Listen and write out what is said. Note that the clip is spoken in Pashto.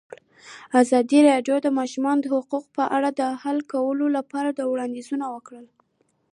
ازادي راډیو د د ماشومانو حقونه په اړه د حل کولو لپاره وړاندیزونه کړي.